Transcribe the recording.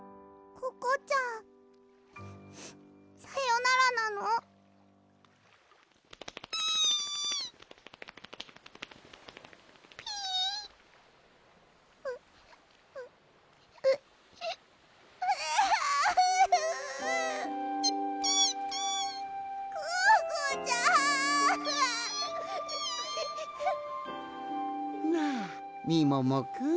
ココちゃん！なあみももくん。